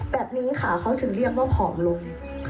แบบนี้ค่ะเขาถึงเรียกว่าผอมลง